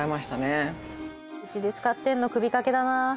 うちで使ってるの首掛けだな。